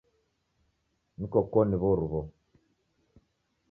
Niko koni w'oruw'o.